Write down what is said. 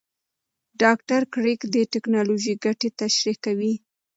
ډاکټر کریګ د ټېکنالوژۍ ګټې تشریح کوي.